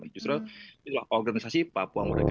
justru itu adalah organisasi papua merdeka